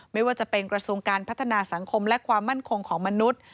ไม่ว่าจะเป็นกระทรวงการพัฒนาสังคมและความมั่นคงของมนุษย์